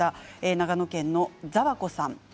長野県の方です。